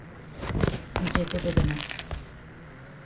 যেতে দেবে না।